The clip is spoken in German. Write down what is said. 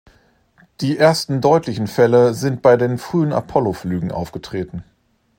Die ersten deutlichen Fälle sind bei den frühen Apollo-Flügen aufgetreten.